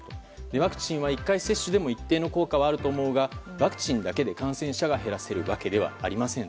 ワクチンは１回接種でも一定の効果はあると思うが、ワクチンだけで感染者が減らせるわけではありません。